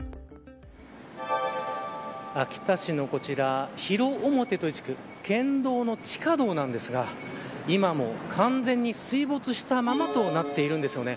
秋田市のこちら広面という地区県道の地下道なんですが今も完全に水没したままとなっているんですよね。